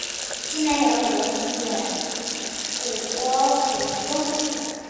境内有旅游景点谷窝普熔洞。